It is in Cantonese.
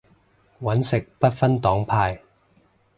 搵食不分黨派